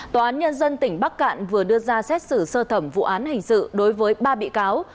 tòa án nhân dân tỉnh bắc cạn vừa đưa ra xét xử sơ thẩm vụ án hình sự đối với ba bị cáo